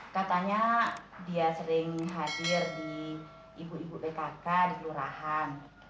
katanya dia sering hadir di ibu ibu pkk di kelurahan